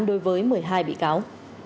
đối với một mươi hai bị cáo